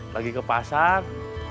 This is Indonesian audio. lagi ke pasar